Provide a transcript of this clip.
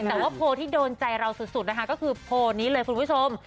แต่ว่าโพลที่โดนใจเราสุดนะคะก็คือโพลนี้เลยคุณผู้ชม